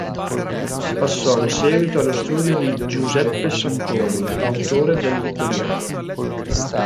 Passò in seguito allo studio di Giuseppe Sacconi, autore del Vittoriano.